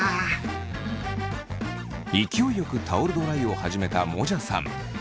勢いよくタオルドライを始めたもじゃさん。